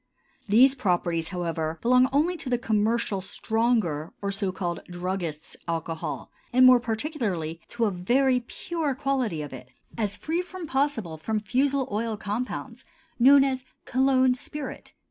These properties, however, belong only to the commercial stronger or so called "druggists' alcohol," and more particularly to a very pure quality of it, as free as possible from fusel oil compounds, known as cologne spirit.